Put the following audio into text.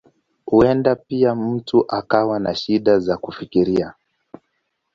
Huenda pia mtu akawa na shida za kufikiria.